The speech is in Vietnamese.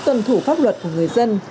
tuân thủ pháp luật của người dân